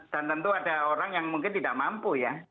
dan tentu ada orang yang mungkin tidak mampu ya